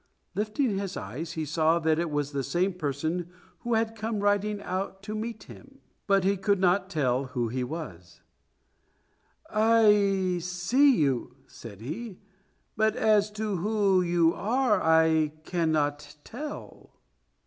Lifting his eyes, he then saw that it was the same person who had come riding out to meet him, but he could not tell who he was. "I see you," said he, "but as to who you are I cannot tell."